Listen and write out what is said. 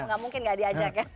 gak mungkin gak diajak ya